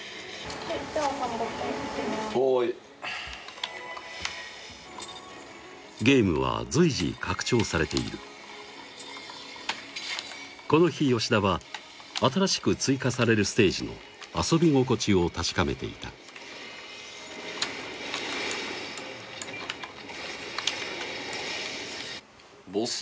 はいゲームは随時拡張されているこの日吉田は新しく追加されるステージの遊び心地を確かめていたボス